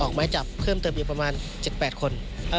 ไม้จับเพิ่มเติมอีกประมาณ๗๘คน